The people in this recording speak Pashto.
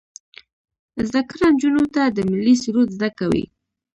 زده کړه نجونو ته د ملي سرود زده کوي.